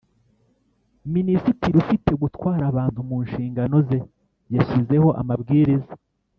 Minisitiri ufite gutwara abantu mu nshingano ze yashyizeho amabwiriza.